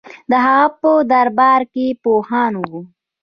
د هغه په دربار کې پوهان وو